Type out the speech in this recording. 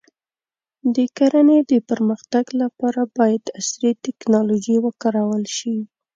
د کرنې د پرمختګ لپاره باید عصري ټکنالوژي وکارول شي.